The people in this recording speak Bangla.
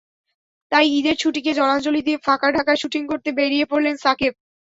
তাই ঈদের ছুটিকে জলাঞ্জলি দিয়ে ফাঁকা ঢাকায় শুটিং করতে বেরিয়ে পড়লেন শাকিব।